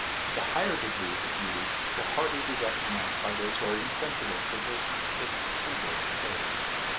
The higher degrees of Beauty will hardly be recognized by those who are insensible to this its simplest phase.